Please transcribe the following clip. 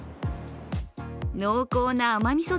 濃厚な甘みそ